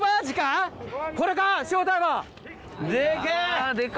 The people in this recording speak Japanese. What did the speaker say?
これか？